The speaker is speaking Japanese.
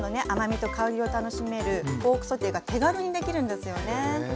甘みと香りを楽しめるポークソテーが手軽にできるんですよね。